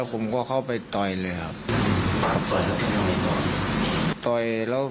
คุณต้องการรู้สิทธิ์ของเขา